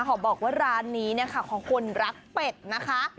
ขอบอกว่าร้านนี้ของคนรักเป็ดนะคะ